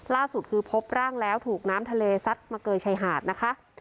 ล่าสุดคือพบร่างแล้วถูกน้ำทะเลซัดมาเกยชายหาดนะคะ